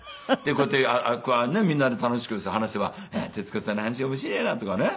こうやってみんなで楽しく話せば徹子さんの話面白えなとかね。